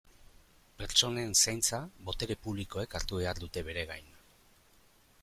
Pertsonen zaintza botere publikoek hartu behar dute bere gain.